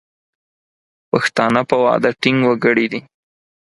پښتانه په وعده ټینګ وګړي دي.